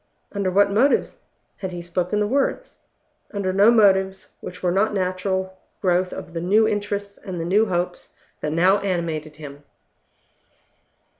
Under what motives had he spoken the words? Under no motives which were not the natural growth of the new interests and the new hopes that now animated him.